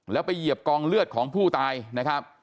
แล้วไปเหยียบกองเลือดของผู้ตายนะครับ